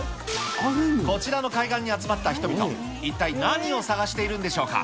こちらの海岸に集まった人々、一体、何を探しているんでしょうか。